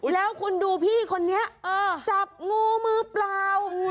แล้วคุณดูพี่คนนี้จับงูมือเปล่า